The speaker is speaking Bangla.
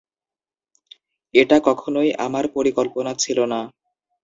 এটা কখনোই আমার পরিকল্পনা ছিল না।